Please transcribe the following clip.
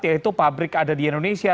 yaitu pabrik ada di indonesia